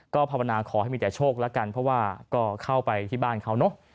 ก็ภาวนาขอให้มีแต่โชคแล้วกันเพราะว่าก็เข้าไปที่บ้านเขาเนอะ